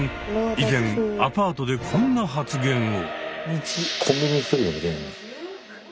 以前アパートでこんな発言を。